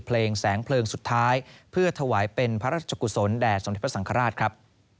เพลงแสงเพลิงสุดท้ายเพื่อถวายเป็นพระราชกุศลแด่สมเด็จพระสังฆราชครับ